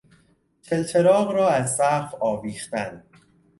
چلچراغ را از سقف آویختن